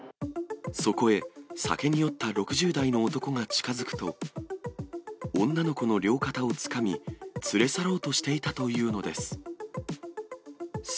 そこへ酒に酔った６０代の男が近づくと、女の子の両肩をつかみ、連れ去ろうとしていたというのです。